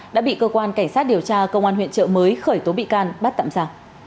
đã bị cơ quan cảnh sát điều tra công an huyện trợ mới khởi tố bị can bắt tạm giả